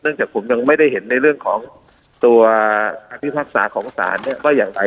เนื่องจากผมยังไม่ได้เห็นในเรื่องของตัวธรรมศาสตร์ของศาลเนี่ยว่าอย่างไร